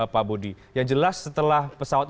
pak budi yang jelas setelah pesawat